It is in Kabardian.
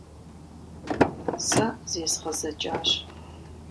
Сэ зезгъэзэкӀащ.